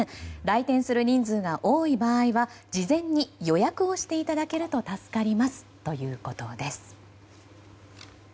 来店する人数が多い場合は事前に予約をしていただけると助かりますということです。